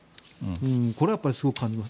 これはすごく感じます。